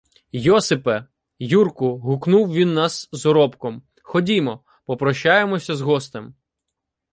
Йосипе, Юрку, — гукнув він нас з Оробком, — ходімо, попрощаємося з гостем.